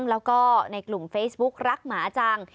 แล้วก็ในกลุ่มเฟซบุ๊กรักหมาจัง